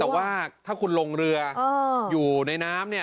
แต่ว่าถ้าคุณลงเรืออยู่ในน้ำเนี่ย